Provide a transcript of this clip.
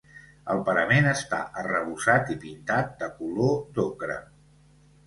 El parament està arrebossat i pintat de color d'ocre.